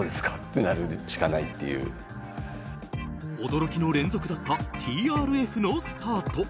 驚きの連続だったＴＲＦのスタート。